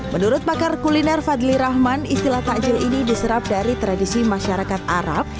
menurut pakar kuliner fadli rahman istilah takjil ini diserap dari tradisi masyarakat arab